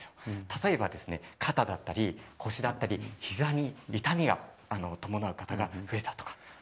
例えば、肩だったり腰だったりひざに痛みが伴う方が増えたとか。